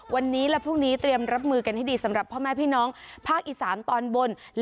วันนี้และพรุ่งนี้เตรียมรับมือกันให้ดีสำหรับพ่อแม่พี่น้องภาคอีสานตอนบน